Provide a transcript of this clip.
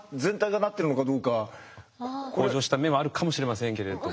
向上した面はあるかもしれませんけれども。